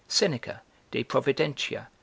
Seneca, De Providentia, c.